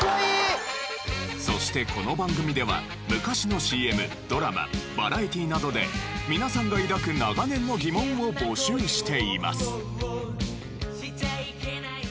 そしてこの番組では昔のＣＭドラマバラエティなどで皆さんが抱く長年の疑問を募集しています。